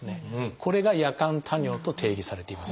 これが「夜間多尿」と定義されています。